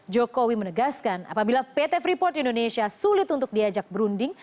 jokowi menegaskan apabila pt freeport indonesia sulit untuk diajak berunding